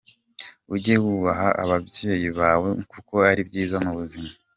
Ujye wubaha ababyeyi bawe kuko ari byiza mubuzima.